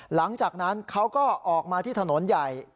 หลังจากนั้นเขาก็ออกมาที่ถนนใหญ่